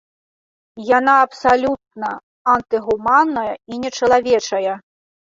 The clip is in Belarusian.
Яна абсалютна антыгуманная і нечалавечая.